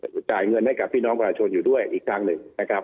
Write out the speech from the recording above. จ่ายเงินให้กับพี่น้องประชาชนอยู่ด้วยอีกครั้งหนึ่งนะครับ